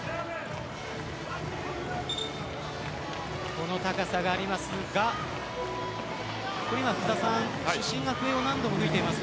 この高さがありますが今、主審が笛を何度も吹いています。